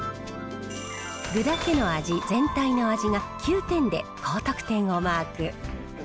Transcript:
具だけの味、全体の味が９点で高得点をマーク。